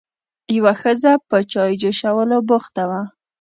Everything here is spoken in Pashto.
یوه ښځه په چای جوشولو بوخته وه.